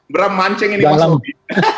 beram mancing ini mas romi